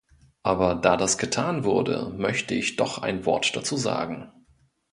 Aber da das getan wurde, möchte ich doch ein Wort dazu sagen.